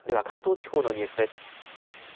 関東地方のニュースです。